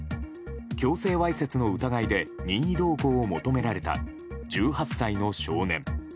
強制わいせつの疑いで任意同行を求められた１８歳の少年。